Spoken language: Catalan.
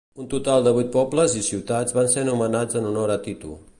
Un total de vuit pobles i ciutats van ser nomenats en honor a Tito.